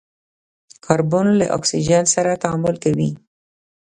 کاربن له اکسیجن سره تعامل کوي.